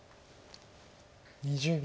２０秒。